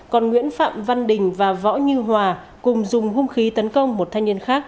còn nguyễn phạm văn đình và võ như hòa cùng dùng hung khí tấn công một thanh niên khác